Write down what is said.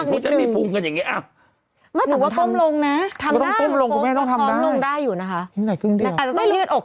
ก็คือโล่งมาทั้งทิ้งทิ้งหลักมาทั้งครึ่งตัวเลยครับ